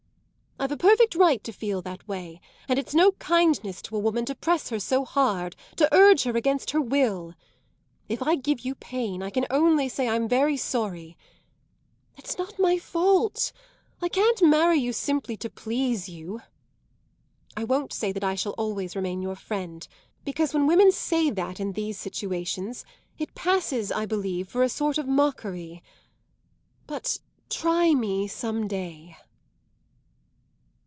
I've a perfect right to feel that way, and it's no kindness to a woman to press her so hard, to urge her against her will. If I give you pain I can only say I'm very sorry. It's not my fault; I can't marry you simply to please you. I won't say that I shall always remain your friend, because when women say that, in these situations, it passes, I believe, for a sort of mockery. But try me some day."